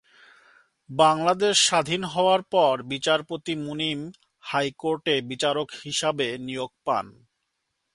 বাংলাদেশ স্বাধীন হওয়ার পর বিচারপতি মুনিম হাইকোর্টে বিচারক হিসাবে নিয়োগ পান।